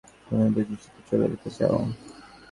তুমি বুঝি শুধু চলে যেতে চাও?